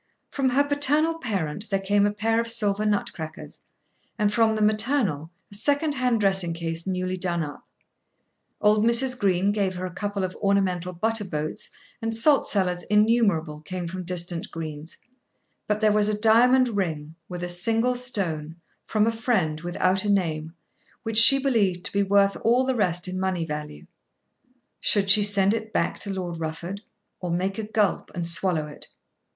From her paternal parent there came a pair of silver nut crackers, and from the maternal a second hand dressing case newly done up. Old Mrs. Green gave her a couple of ornamental butter boats, and salt cellars innumerable came from distant Greens. But there was a diamond ring with a single stone, from a friend, without a name, which she believed to be worth all the rest in money value. Should she send it back to Lord Rufford, or make a gulp and swallow it?